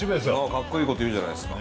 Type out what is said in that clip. かっこいいこと言うじゃないですか。